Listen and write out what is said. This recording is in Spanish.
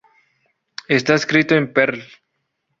Está escrito en Perl.